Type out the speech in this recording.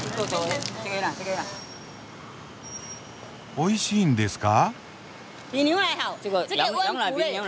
おいしいんですか？